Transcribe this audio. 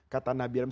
kata nabi ibrahim